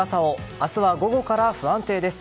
明日は午後から不安定です。